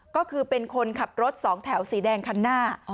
ก็คือเป็นคนขับรถสองแถวสีแดงคันหน้า